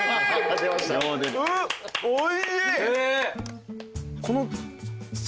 おいしい！